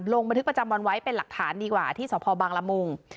ลงบันทึกประจำวันไว้เป็นหลักฐานดีกว่าที่สพบังละมุง